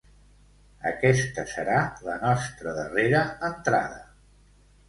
Aquesta serà la nostra darrera entrada.